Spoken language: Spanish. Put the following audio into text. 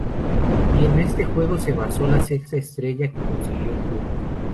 Y en ese juego se basó la sexta estrella que consiguió el club.